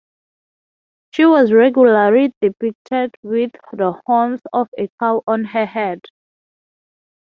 She was regularly depicted with the horns of a cow on her head.